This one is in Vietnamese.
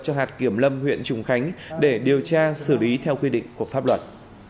cho hạt kiểm lâm huyện trùng khánh để điều tra xử lý theo quy định của pháp luật